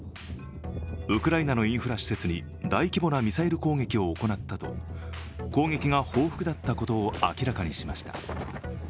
ウクライナのインフラ施設に大規模なミサイル攻撃を行ったと、攻撃が報復だったことを明らかにしました。